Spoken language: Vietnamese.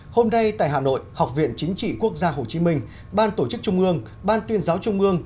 hôm nay tại hà nội học viện chính trị quốc gia hồ chí minh ban tổ chức trung ương ban tuyên giáo trung ương